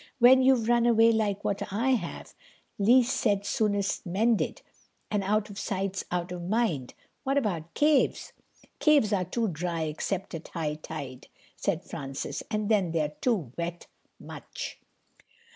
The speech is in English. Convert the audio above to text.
When you've run away like what I have, least said soonest mended, and out of sight's out of mind. What about caves?" "Caves are too dry, except at high tide," said Francis. "And then they're too wet. Much."